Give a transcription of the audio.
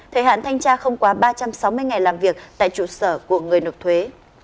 thời hạn thanh tra không quá ba trăm sáu mươi ngày làm việc tại trụ sở của người nộp thuế